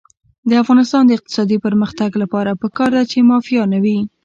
د افغانستان د اقتصادي پرمختګ لپاره پکار ده چې مافیا نه وي.